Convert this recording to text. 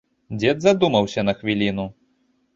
Дзед задумаўся на хвіліну.